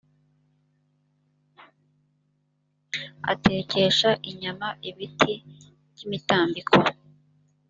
atekesha inyama ibiti by imitambiko